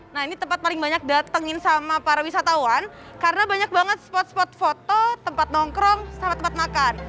nah ini tempat paling banyak datengin sama para wisatawan karena banyak banget spot spot foto tempat nongkrong sama tempat makan